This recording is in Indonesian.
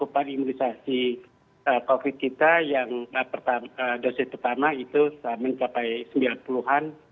pada saat gelombang ketiga cakupan imunisasi covid sembilan belas kita yang dosis pertama itu mencapai sembilan puluh an